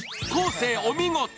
生、お見事。